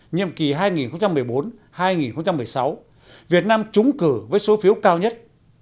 nhiệm kỳ hai nghìn một mươi bốn hai nghìn một mươi sáu việt nam trúng cử với số phiếu cao nhất